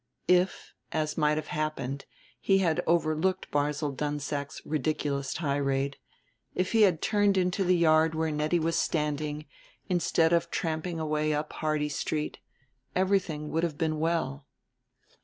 If, as might have happened, he had overlooked Barzil Dunsack's ridiculous tirade, if he had turned into the yard where Nettie was standing instead of tramping away up Hardy Street, everything would have been well.